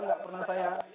nggak pernah saya